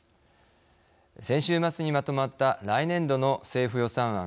先週末にまとまった来年度の政府予算案。